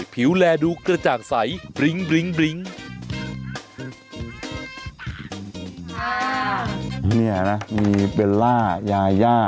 มีกันนี่เหรอนะมีเบลล่ายาย่า